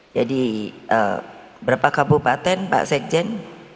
jadi berapa kabupaten pak sekjen